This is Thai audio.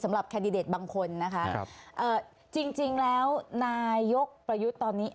แคนดิเดตบางคนนะคะจริงแล้วนายกประยุทธ์ตอนนี้